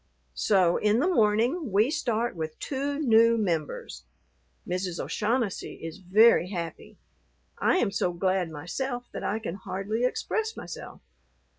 So in the morning we start with two new members. Mrs. O'Shaughnessy is very happy. I am so glad myself that I can hardly express myself.